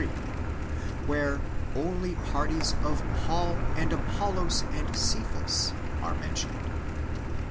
22 28, where only parties of Paul, Apollos, and Cephas are mentioned.